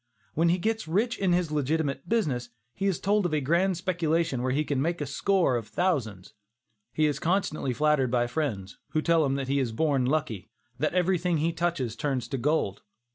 When he gets rich in his legitimate business, he is told of a grand speculation where he can make a score of thousands. He is constantly flattered by his friends, who tell him that he is born lucky, that everything he touches turns into gold.